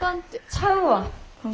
ちゃうわ。